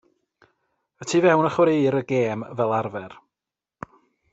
Y tu fewn y chwaraeir y gêm fel arfer.